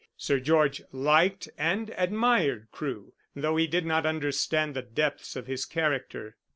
Sir George liked and admired Crewe, though he did not understand the depths of his character.